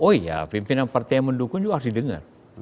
oh iya pimpinan partai yang mendukung juga harus didengar